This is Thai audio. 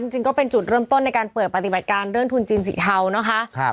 จริงก็เป็นจุดเริ่มต้นในการเปิดปฏิบัติการเรื่องทุนจีนสีเทานะคะ